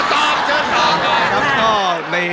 ตอบเชิญตอบ